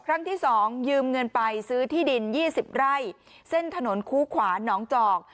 ครั้งที่๒ยืมเงินไปซื้อที่ดิน๒๐ไร่เส้นถนนคูขวาน้องจอก